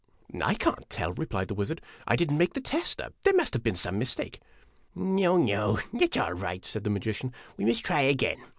"I can't tell," replied the wizard; "I did n't make the tester; there must have been some mistake." " Oh, no ; it 's all right," said the magician ;" we must try again.